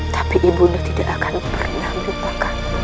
tapi ibunya tidak akan pernah melupakamu